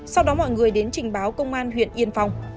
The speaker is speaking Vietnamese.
sau đó mọi người đến trình báo công an huyện yên phong